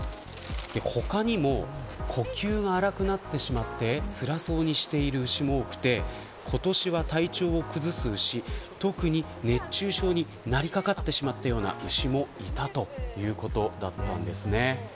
他にも呼吸が荒くなってしまってつらそうにしている牛も多くて今年は体調を崩す牛特に熱中症になりかかってしまうような牛もいたということだったんです。